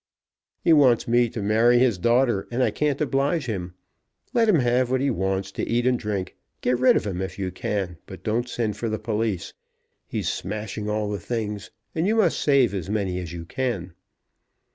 He wants me to marry his daughter, and I can't oblige him. Let him have what he wants to eat and drink. Get rid of him if you can, but don't send for the police. He's smashing all the things, and you must save as many as you can."